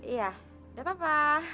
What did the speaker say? iya udah apa pa